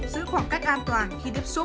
giữ khoảng cách an toàn khi tiếp xúc